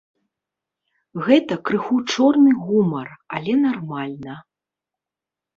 Гэта крыху чорны гумар, але нармальна.